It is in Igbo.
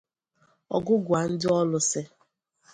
Ọgụgụa Ndị Ọlụsị